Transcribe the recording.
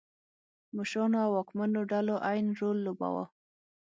مشرانو او واکمنو ډلو عین رول لوباوه.